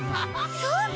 そうか！